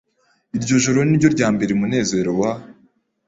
Iryo joro niryo ryambereye umunezero wa